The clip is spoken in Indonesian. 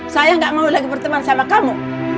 saya nggak mau lagi berteman sama kamu